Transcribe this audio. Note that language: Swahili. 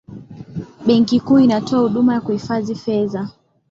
benki kuu inatoa huduma ya kuhifadhi fedha